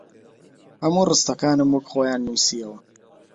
هەموو ڕستەکانم وەک خۆیان نووسییەوە